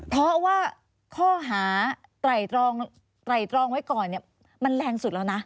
เพราะว่าข้อหาไตรตรองไว้ก่อนเนี่ยมันแรงสุดแล้วนะ